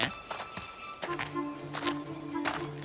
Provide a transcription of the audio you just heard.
tidak seorang pria